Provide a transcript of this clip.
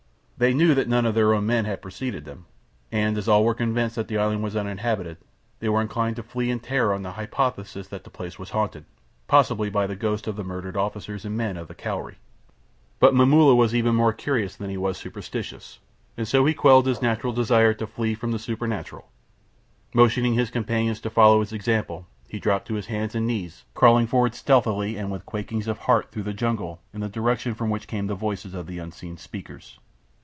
They knew that none of their own men had preceded them, and as all were convinced that the island was uninhabited, they were inclined to flee in terror on the hypothesis that the place was haunted—possibly by the ghosts of the murdered officers and men of the Cowrie. But Momulla was even more curious than he was superstitious, and so he quelled his natural desire to flee from the supernatural. Motioning his companions to follow his example, he dropped to his hands and knees, crawling forward stealthily and with quakings of heart through the jungle in the direction from which came the voices of the unseen speakers.